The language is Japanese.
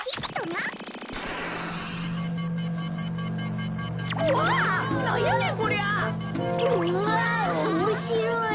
なにおもしろい？